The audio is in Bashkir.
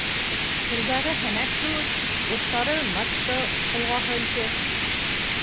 Ҡулдары һәнәк кеүек, боттары мачта ҡолғаһы ише.